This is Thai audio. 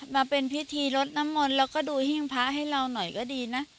มาเป็นพิธีลดน้ำมนต์แล้วก็ดูหิ้งพระให้เราหน่อยก็ดีนะ